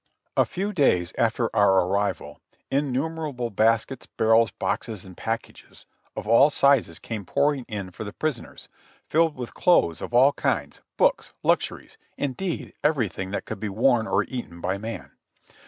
A few days after our arrival innumerable baskets, barrels, boxes, and packages of all sizes came pouring in for the prisoners, filled with clothes of all kinds, books, luxuries, indeed everything that could be worn or eaten by man.